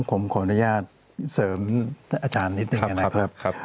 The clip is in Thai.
ผมขออนุญาตเสริมอาจารย์นิดหนึ่งนะครับ